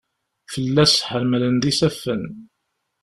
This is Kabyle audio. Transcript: Fell-as ḥemlen-d isafen.